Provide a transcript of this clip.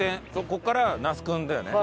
ここから那須君だよね。